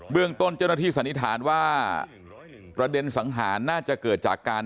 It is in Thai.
เรื่องต้นเจ้าหน้าที่สันนิษฐานว่าประเด็นสังหารน่าจะเกิดจากการ